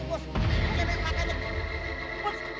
cetan cetan bos